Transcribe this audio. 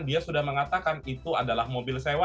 dia sudah mengatakan itu adalah mobil sewa